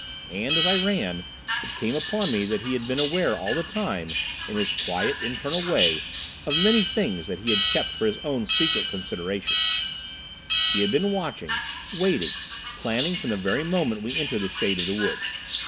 And, as I ran, it came upon me that he had been aware all the time, in his quiet, internal way, of many things that he had kept for his own secret consideration; he had been watching, waiting, planning from the very moment we entered the shade of the wood.